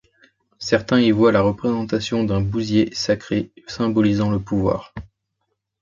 Certains y voient la représentation d'un bousier sacré symbolisant le pouvoir.